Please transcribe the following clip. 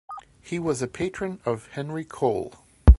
He was a patron of Henry Cole.